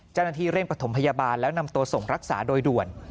เจ้าหน้าที่เร่งประถมพยาบาลแล้วนำตัวส่งรักษาโดยด่วน